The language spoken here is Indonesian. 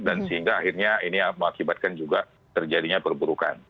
dan sehingga akhirnya ini mengakibatkan juga terjadinya perburukan